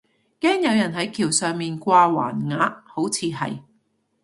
驚有人係橋上面掛橫額，好似係